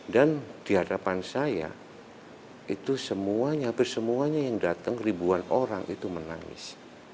dan di hadapan saya itu semuanya hampir semuanya yang datang ribuan orang itu menangis